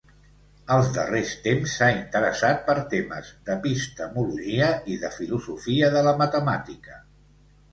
Als darrers temps s'ha interessat per temes d'epistemologia i de filosofia de la matemàtica.